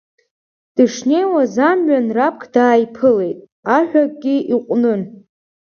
Дышнеиуаз амҩан раԥк дааиԥылеит, аҳәакгьы иҟәнын.